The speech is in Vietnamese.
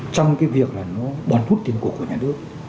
trong cái việc là nó bòn vút tiền cổ của nhà nước